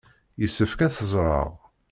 Yessefk ad teẓreɣ.